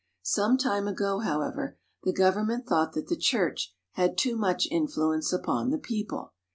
Some time ago, however, the government thought that the church had too much influence upon the people.